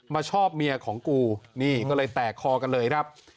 ชอบเมียของกูนี่ก็เลยแตกคอกันเลยครับ